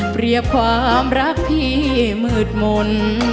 เปรียบความรักที่มืดมนต์